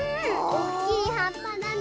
おっきいはっぱだね。